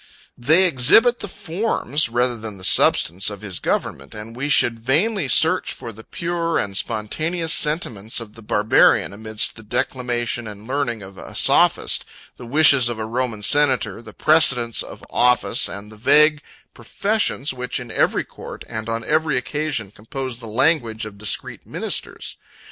25 They exhibit the forms, rather than the substance, of his government; and we should vainly search for the pure and spontaneous sentiments of the Barbarian amidst the declamation and learning of a sophist, the wishes of a Roman senator, the precedents of office, and the vague professions, which, in every court, and on every occasion, compose the language of discreet ministers.